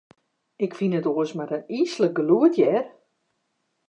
Ik fyn it oars mar in yslik gelûd, hear.